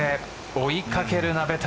追い掛ける鍋谷。